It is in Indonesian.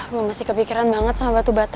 gue masih kepikiran banget sama batu batu